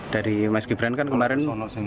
dari mas gibran kan kemarin